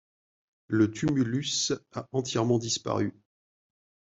Le tumulus a entièrement disparu.